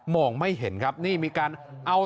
ไม่เห็นครับนี่มีการเอา